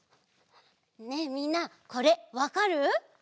ねえみんなこれわかる？